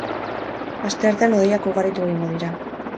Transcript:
Asteartean hodeiak ugaritu egingo dira.